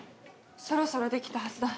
そろそろ出来たはずだ。